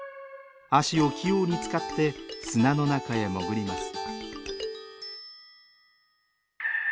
脚を器用に使って砂の中へ潜ります。